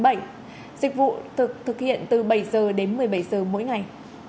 dịch vụ thực hiện từ bảy giờ đến một mươi bảy giờ mỗi ngày